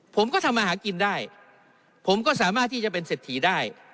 ผมก็ทำมาหากินได้ผมก็สามารถที่จะเป็นเศรษฐีได้